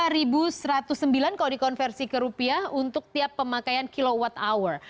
rp lima satu ratus sembilan kalau dikonversi ke rupiah untuk tiap pemakaian kilowatt hour